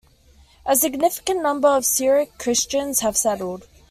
A significant number of Syriac Christians have settled.